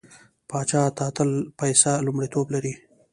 پاچا ته تل پيسه لومړيتوب لري.